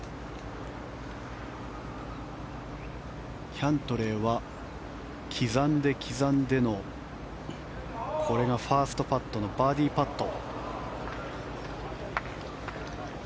キャントレーは刻んで刻んでのこれがファーストパットのバーディーパット。